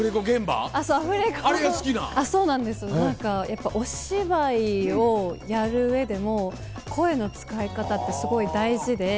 やっぱお芝居をやる上でも声の使い方ってすごい大事で。